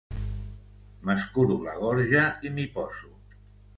M'escuro la gorja i m'hi poso.